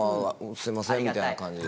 「すいません」みたいな感じで。